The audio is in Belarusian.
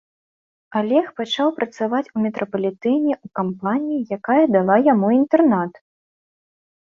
Алег пачаў працаваць у метрапалітэне ў кампаніі, якая дала яму інтэрнат.